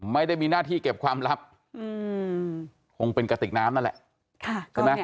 ไม่ได้มีหน้าที่เก็บความลับคงเป็นกระติกน้ำนั่นแหละใช่ไหม